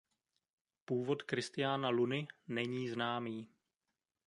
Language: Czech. Původ Kristiána Luny není známý.